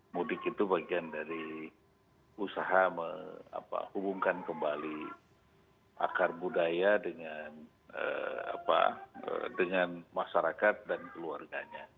mudik itu bagian dari usaha menghubungkan kembali akar budaya dengan masyarakat dan keluarganya